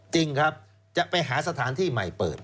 จริงครับจะไปหาสถานที่ใหม่เปิด